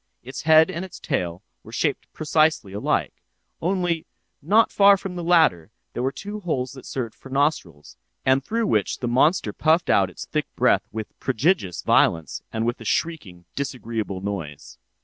Its head and its tail were shaped precisely alike, only, not far from the latter, were two small holes that served for nostrils, and through which the monster puffed out its thick breath with prodigious violence, and with a shrieking, disagreeable noise.